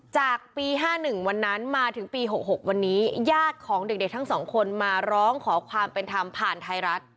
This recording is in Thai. จากปี๕๑วันนั้นมาถึงปี๖๖วันนี้ญาติของเด็กทั้งสองคนมาร้องขอความเป็นธรรมผ่านไทยรัฐ